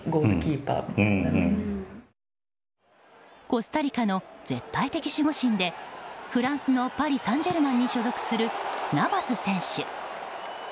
コスタリカの絶対的守護神でフランスのパリ・サンジェルマンに所属するナヴァス選手。